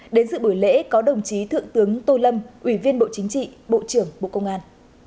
đến dự buổi lễ có đồng chí thượng tướng tô lâm ủy viên bộ chính trị bộ trưởng bộ công an